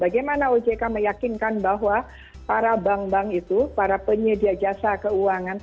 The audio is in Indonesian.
bagaimana ojk meyakinkan bahwa para bank bank itu para penyedia jasa keuangan itu